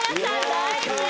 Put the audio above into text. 大正解。